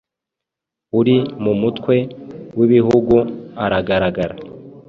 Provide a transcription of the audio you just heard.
uri mumutwe wibihugu aragaragara